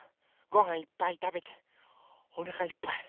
ごはんいっぱいたべておなかいっぱい。